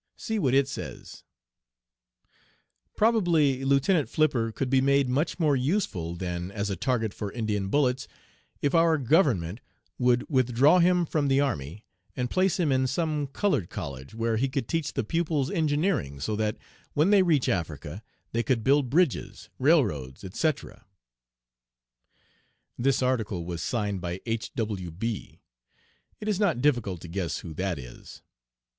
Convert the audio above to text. See what it says: "Probably Lieutenant Flipper could be made much more useful than as a target for Indian bullets, if our government would withdraw him from the army and place him in some colored college, where he could teach the pupils engineering, so that when they reach Africa they could build bridges, railroads, etc." This article was signed by "H. W. B." It is not difficult to guess who that is.